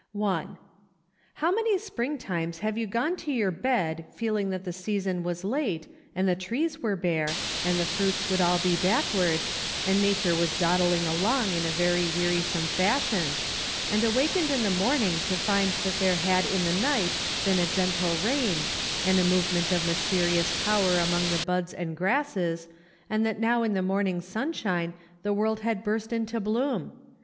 1. How many springtimes have you gone to your bed feeling that the season was late, and the trees were bare, and the fruits would all be backward, and Nature was dawdling along in a very wearisome fashion; and awakened in the morning to find that there had in the night been a gentle rain, and a movement of mysterious power among the buds and grasses, and that now in the morn¬ ing sunshine, the world had burst into bloom